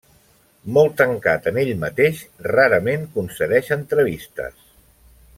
Molt tancat en ell mateix, rarament concedeix entrevistes.